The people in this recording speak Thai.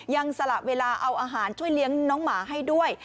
สละเวลาเอาอาหารช่วยเลี้ยงน้องหมาให้ด้วย